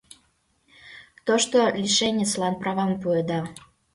Тошто лишенецлан правам пуэда.